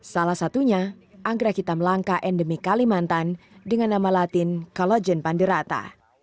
salah satunya anggrek hitam langka endemik kalimantan dengan nama latin kolojen panderata